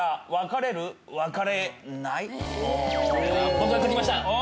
僕が書きました！